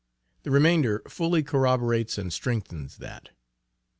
The remainder fully corroborates and strengthens that.